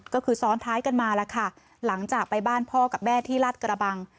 ก็คือซ้อนท้ายกันมาแล้วค่ะหลังจากไปบ้านพ่อกับแม่ที่ลาดกระบัง